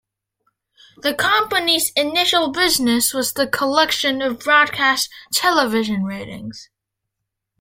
The company's initial business was the collection of broadcast television ratings.